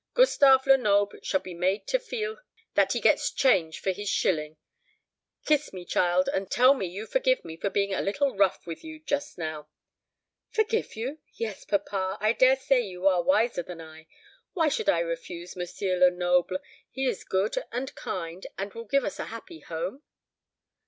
Gustave Lenoble shall be made to feel that he gets change for his shilling. Kiss me, child, and tell me you forgive me for being a little rough with you, just now." "Forgive you? yes, papa. I dare say you are wiser than I. Why should I refuse M. Lenoble? He is good and kind, and will give us a happy home?